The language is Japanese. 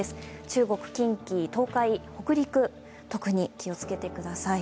中国、近畿、東海、北陸、特に気を付けてください。